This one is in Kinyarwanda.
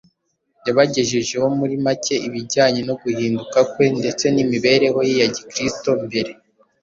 yabagejejeho muri make ibijyanye no guhinduka kwe ndetse n’imibereho ye ya Gikristo ya mbere.